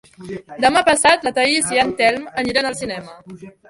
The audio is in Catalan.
Demà passat na Thaís i en Telm aniran al cinema.